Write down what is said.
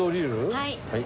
はい。